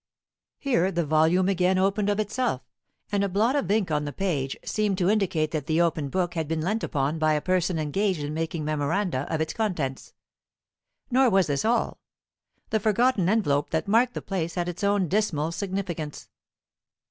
Here the volume again opened of itself, and a blot of ink on the page seemed to indicate that the open book had been leant upon by a person engaged in making memoranda of its contents. Nor was this all. The forgotten envelope that marked the place had its own dismal significance.